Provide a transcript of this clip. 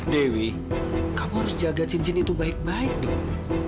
dewi kamu harus jaga cincin itu baik baik dong